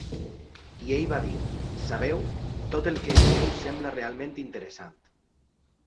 I ell va dir "sabeu, tot el que dieu sembla realment interessant".